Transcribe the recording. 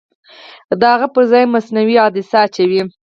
د هغه پرځای مصنوعي عدسیه اچوي.